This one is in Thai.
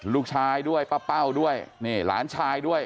ลูกชายด้วยป้าเป้าด้วยนี่หลานชายด้วย